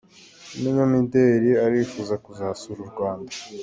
umunyamideri arifuza kuzasura u Rwanda